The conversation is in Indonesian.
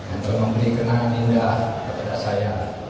untuk memberi kenangan indah kepada saya